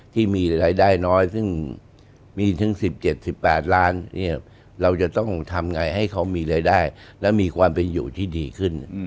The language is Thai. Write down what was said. ที่มีรายได้น้อยซึ่งมีถึง๑๗๑๘ล้านเนี่ยเราจะต้องทำไงให้เขามีรายได้และมีความเป็นอยู่ที่ดีขึ้น